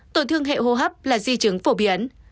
tổn thương hệ hô hấp là di chứng phổ biến